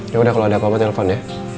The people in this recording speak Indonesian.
yaudah kalau ada apa apa telfon ya